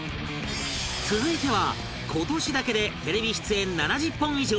続いては今年だけでテレビ出演７０本以上